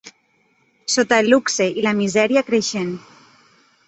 Sota el luxe i la misèria creixent